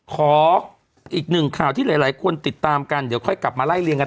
ขออีกหนึ่งข่าวที่หลายคนติดตามกันเดี๋ยวค่อยกลับมาไล่เรียงกัน